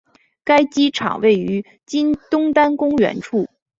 该机场位于今东单公园处。